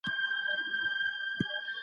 کوچیان باید روغتیايي خدمات ترلاسه کړي.